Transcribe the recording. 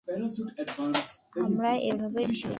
আমরা এভাবেই করি!